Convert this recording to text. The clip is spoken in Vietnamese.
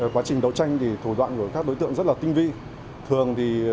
quá trình đấu tranh thì thủ đoạn của các đối tượng rất là tinh vi thường